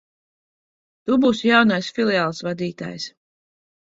Tu būsi jaunais filiāles vadītājs.